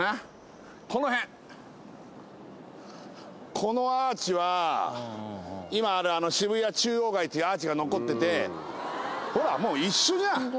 このアーチは今あるあの渋谷中央街っていうアーチが残っててほらもう一緒じゃん。